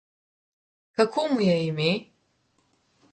Kako mu je ime?